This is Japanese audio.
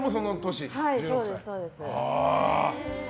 そうです。